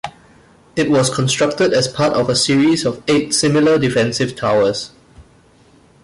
It was constructed as part of a series of eight similar defensive towers.